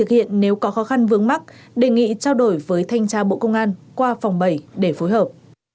hiện nếu có khó khăn vướng mắt đề nghị trao đổi với thanh tra bộ công an qua phòng bảy để phối hợp